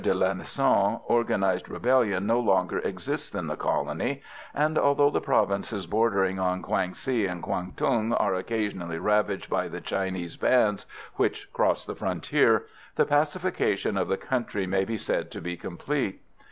de Lanessan, organised rebellion no longer exists in the colony, and, although the provinces bordering on Kwang si and Kwang tung are occasionally ravaged by the Chinese bands which cross the frontier, the pacification of the country may be said to be complete.